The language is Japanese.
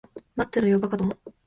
待ってろよ、馬鹿ども。